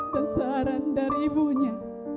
dan saran dari ibunya